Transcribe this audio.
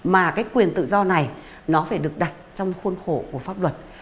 mà cái quyền tự do này nó phải được đặt trong khuôn khổ của pháp luật